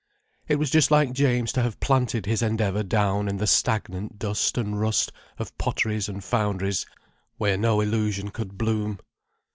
It was just like James to have planted his endeavour down in the stagnant dust and rust of potteries and foundries, where no illusion could bloom.